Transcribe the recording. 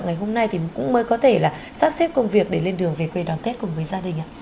ngày hôm nay thì cũng mới có thể là sắp xếp công việc để lên đường về quê đón tết cùng với gia đình